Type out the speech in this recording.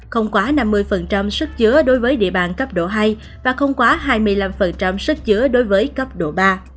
không quá năm mươi sức chứa đối với địa bàn cấp độ hai và không quá hai mươi năm sức chứa đối với cấp độ ba